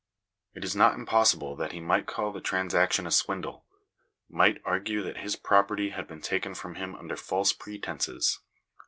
It is not impossible that he might call the transaction a swindle ; might argue that his property had been taken from him under false pretences.